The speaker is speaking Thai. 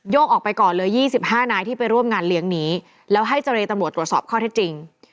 ออกไปก่อนเลย๒๕นายที่ไปร่วมงานเลี้ยงนี้แล้วให้เจรตำรวจตรวจสอบข้อเท็จจริง